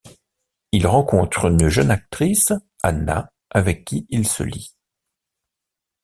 Il rencontre une jeune actrice, Anna, avec qui il se lie.